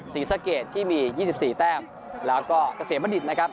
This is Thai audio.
สีสะเกดที่มี๒๔แต้มแล้วก็เกษียณพระดิษฐ์นะครับ